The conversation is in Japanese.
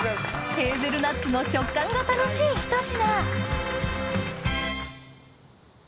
ヘーゼルナッツの食感が楽しいひと品